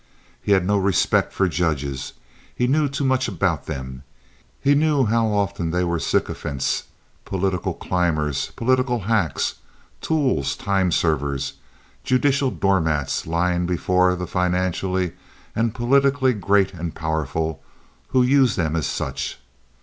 He had no respect for judges—he knew too much about them. He knew how often they were sycophants, political climbers, political hacks, tools, time servers, judicial door mats lying before the financially and politically great and powerful who used them as such.